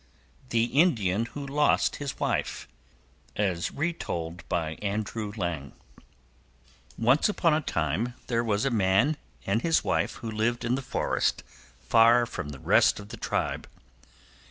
THE INDIAN WHO LOST HIS WIFE Retold by Andrew Lang Once upon a time there was a man and his wife who lived in the forest far from the rest of the tribe.